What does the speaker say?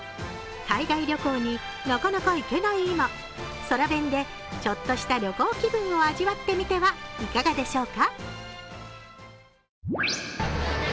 海外旅行になかなか行けない今、空弁でちょっとした旅行気分を味わってみてはいかがでしょうか？